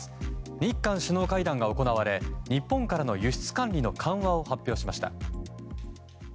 日韓首脳会談が行われ日本からの輸出管理の緩和を発表しました。